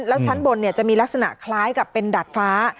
แล้วชั้นบนจะมีลักษณะคล้ายกับเป็นดาดฟ้า